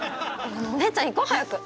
お姉ちゃん行こう早く！